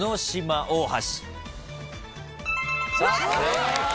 正解。